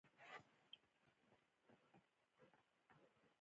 د ګلو څانګه یې جوړه کړه.